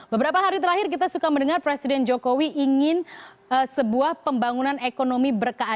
beberapa hari terakhir kita suka mendengar presiden jokowi ingin sebuah pembangunan ekonomi berkelanjutan